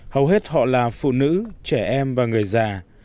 hầu hết họ là phụ nữ trẻ em và người già